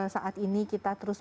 saat ini kita terus